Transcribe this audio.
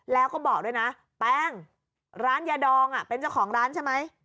แล้วก็บอกด้วยนะแป้งร้านยาดองเป็นเจ้าของร้านใช่ไหม